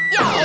ya allah drak